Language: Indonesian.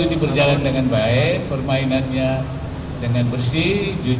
untuk tidak melakukan hal hal yang berbeda